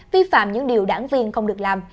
vi phạm những điều đảng viên không được làm